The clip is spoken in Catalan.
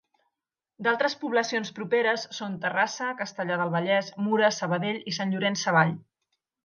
D'altres poblacions properes són Terrassa, Castellar del Vallès, Mura, Sabadell i Sant Llorenç Savall.